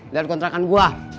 lihat kontrakan gua